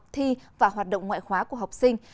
thi và hoạt động ngoại khóa của học sinh